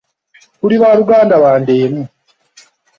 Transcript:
Tuli baluganda bande emu.